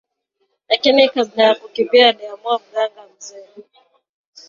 lakini kabla ya kukimbia alimuua mganga mzee